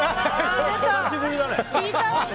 久しぶりだね。